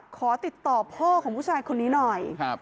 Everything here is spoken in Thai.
ขอติดต่อพ่อของผู้ชายคนนี้หน่อย